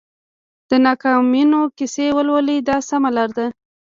د ناکامیونو کیسې ولولئ دا سمه لار ده.